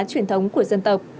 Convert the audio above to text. truyền thống của dân tộc